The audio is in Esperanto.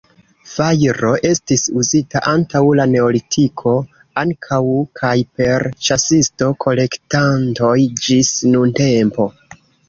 Fajro estis uzita antaŭ la Neolitiko ankaŭ, kaj per ĉasisto-kolektantoj ĝis nuntempo.